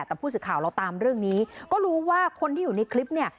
แต่ผู้สื่อข่าวเราตามเรื่องนี้ก็รู้ว่าคนที่อยู่ในคลิปเนี่ย